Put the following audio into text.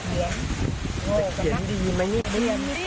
จะเขียนดีไม่นิดนี้